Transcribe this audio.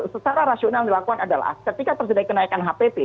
secara rasional dilakukan adalah ketika terjadi kenaikan hpp